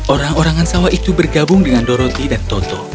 orang orangan sawah itu bergabung dengan doroti dan toto